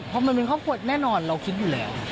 เพราะมันเป็นครอบครัวแน่นอนเราคิดอยู่แล้ว